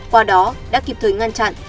qua đó đã kịp thời ngăn chặn